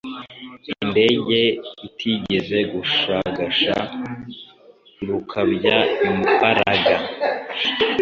indege itigeze gushagasha rukabya imbaraga